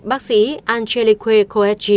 bác sĩ angelico